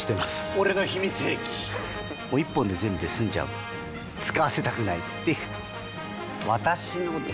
俺の秘密兵器１本で全部済んじゃう使わせたくないっていう私のです！